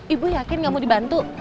ibu yakin gak mau dibantu